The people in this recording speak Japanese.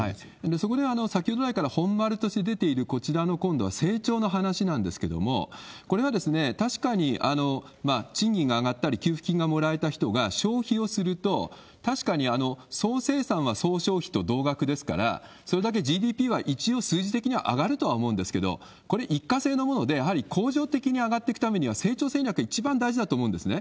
そこで、先ほど来から本丸として出ているこちらの、今度は成長の話なんですけれども、これは確かに賃金が上がったり給付金をもらえた人が消費をすると、確かに総生産は総消費と同額ですから、それだけＧＤＰは一応数字的には上がると思うんですけど、これ、一過性のもので、やはり恒常的に上がっていくためには成長戦略って一番大事だと思うんですね。